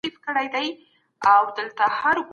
د استعمار تورو شپو